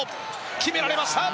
決められました。